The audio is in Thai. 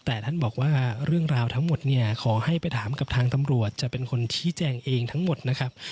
แต่ท่านบอกว่าเรื่องราวทั้งหมดเนี่ยขอให้ไปถามกับทางตำรวจจะเป็นคนชี้แจงเองทั้งหมดนะครับ